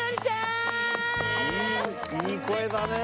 いい声だね。